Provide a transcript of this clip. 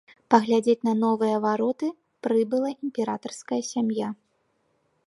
Паглядзець на новыя вароты прыбыла імператарская сям'я.